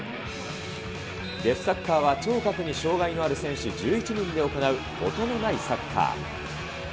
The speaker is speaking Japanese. デフサッカーは聴覚に障がいのある選手１１人で行う音のないサッカー。